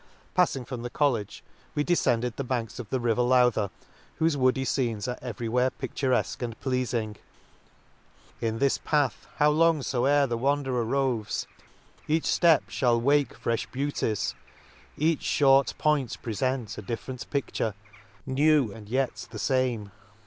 Faffing from the college we defended the banks of the river Lowther, whofe woody fcenes are every where pidurefque and pleafing: —■<< I n this path " How long foe'er the wanderer roves, each ftep r * Shall wake frefh beauties, each fhort point prefent cc A different picture; new, and yet the fame*'.